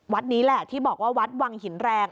นี้แหละที่บอกว่าวัดวังหินแรง